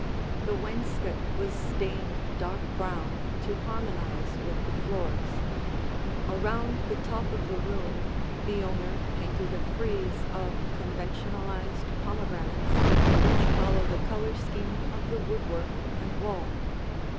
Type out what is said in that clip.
The wainscot was stained dark brown to harmonize with the floors. Around the top of the room the owner painted a frieze of conventionalized pomegranates, which follow the color scheme of the woodwork and wall.